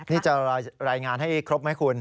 นี่จะรายงานให้ครบไหมคุณ